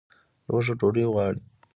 لوږه ډوډۍ غواړي